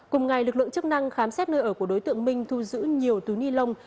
cùng ngày lực lượng chức năng khám xét nơi ở của đối tượng minh thu giữ nhiều túi ni lông